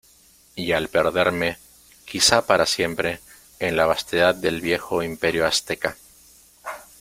y al perderme, quizá para siempre , en la vastedad del viejo Imperio Azteca ,